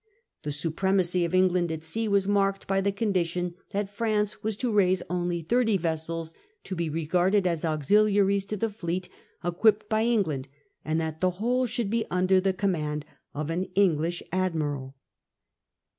The supremacy of England at sea was marked by the con dition that France was to raise only thirty vessels, to be regarded as auxiliaries to the fleet equipped by England, and that the whole should be under the command of an English admiral.